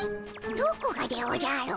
どこがでおじゃる。